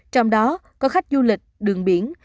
trong đó có khách du lịch đường biển